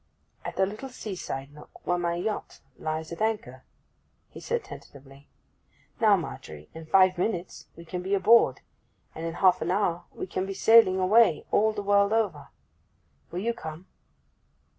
'At a little sea side nook, where my yacht lies at anchor,' he said tentatively. 'Now, Margery, in five minutes we can be aboard, and in half an hour we can be sailing away all the world over. Will you come?